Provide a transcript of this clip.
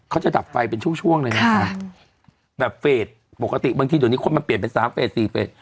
เขาจะดับไฟเป็นช่วงเลยนะฮะค่ะแบบเฟสปกติบางทีตรงนี้ความมันเปลี่ยนเป็น๓เฟส๔เฟส